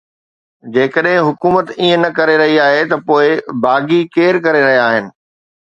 جيڪڏهن حڪومت ائين نه ڪري رهي آهي ته پوءِ باغي ڪري رهيا آهن